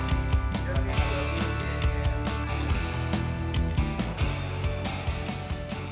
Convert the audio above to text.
ini tuh yang paling penting